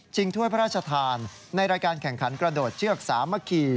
ถ้วยพระราชทานในรายการแข่งขันกระโดดเชือกสามัคคี